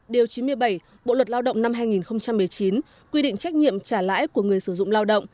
điều chín mươi bảy bộ luật lao động năm hai nghìn một mươi chín quy định trách nhiệm trả lãi của người sử dụng lao động